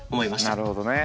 なるほどね。